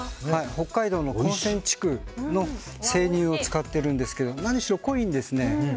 北海道の根釧地区の生乳を使っているんですけど何しろ濃いんですね。